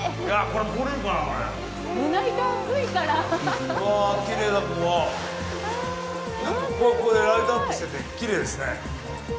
ここはここでライトアップしててきれいですね。